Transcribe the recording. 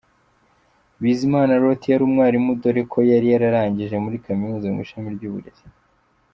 Bizimana Loti yari umwarimu dore ko yari yararangije muri Kaminuza mu ishami ry’uburezi.